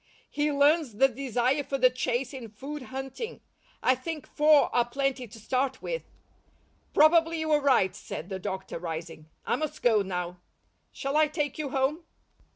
He learns the desire for the chase in food hunting; I think four are plenty to start with." "Probably you are right," said the doctor, rising. "I must go now. Shall I take you home?"